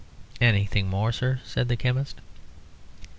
"Anything more, sir?" asked the chemist.